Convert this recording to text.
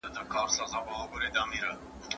په لاس خط لیکل د تخلیقي فکر کچه لوړوي.